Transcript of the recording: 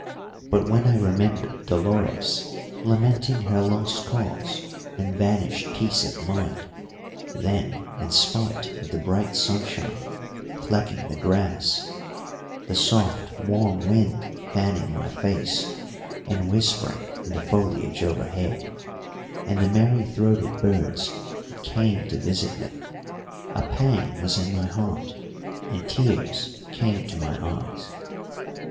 But when I remembered Dolores lamenting her lost cause and vanished peace of mind, then, in spite of the bright sunshine flecking the grass, the soft, warm wind fanning my face andwhispering in the foliage overhead, and the merry throated birds that came to visit me, a pang was in my heart, and tears came to my eyes.